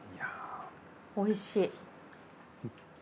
おいしい。